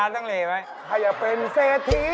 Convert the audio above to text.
ถ้าจะเป็นเฟเธะ